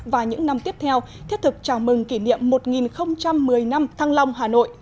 hai nghìn một mươi sáu hai nghìn hai mươi và những năm tiếp theo thiết thực chào mừng kỷ niệm một nghìn một mươi năm thăng long hà nội